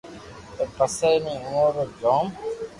پر پسي بي اورو جو جوم